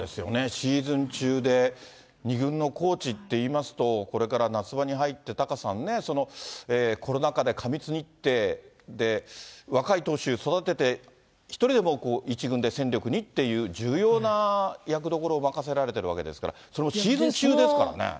シーズン中で、２軍のコーチっていいますと、これから夏場に入って、タカさんね、コロナ禍で過密日程で、若い投手育てて、一人でも１軍で戦力にっていう重要な役どころを任されているわけですから、そのシーズン中ですからね。